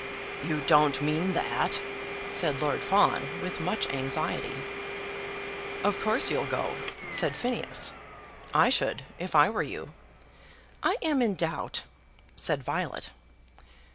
"You don't mean that," said Lord Fawn, with much anxiety. "Of course you'll go," said Phineas. "I should, if I were you." "I am in doubt," said Violet.